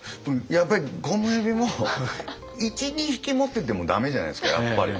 やっぱりゴムヘビも１２匹持ってても駄目じゃないですかやっぱり。